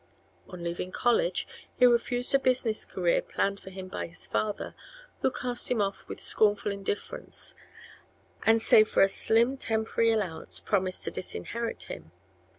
On leaving college he refused a business career planned for him by his father, who cast him off with scornful indifference, and save for a slim temporary allowance promised to disinherit him.